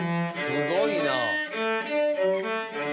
「すごいな」